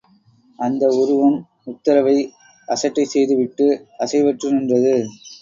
அந்த ஒருவம் உத்தரவை அசட்டைசெய்து விட்டு, அசைவற்று நின்றது.